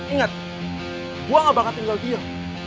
ingat gua gak bakal tinggal diam